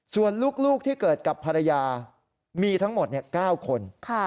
ส่วนลูกที่เกิดกับภรรยามีทั้งหมด๙คน